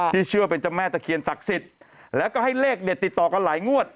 เชื่อว่าเป็นเจ้าแม่ตะเคียนศักดิ์สิทธิ์แล้วก็ให้เลขเด็ดติดต่อกันหลายงวด